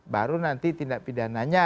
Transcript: baru nanti tindak pidananya